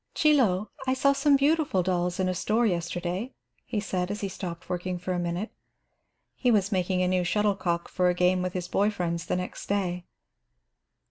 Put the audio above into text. "Chie Lo, I saw some beautiful dolls in a store yesterday," he said, as he stopped working for a minute. He was making a new shuttlecock for a game with his boy friends the next day.